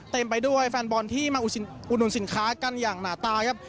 ไปด้วยแฟนบอลที่มาอุดหนุนสินค้ากันอย่างหนาตาครับ